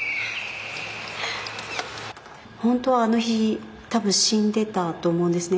本当はあの日たぶん死んでたと思うんですね。